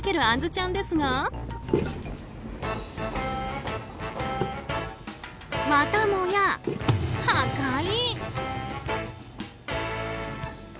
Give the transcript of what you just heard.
あんずちゃんですがまたもや破壊。